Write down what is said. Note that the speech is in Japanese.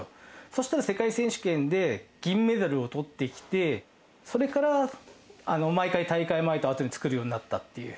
そしたら世界選手権で銀メダルをとってきて、それから毎回、大会前と後に作るようになったっていう。